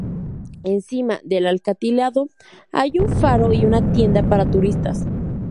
Encima del acantilado hay un faro y una tienda para turistas.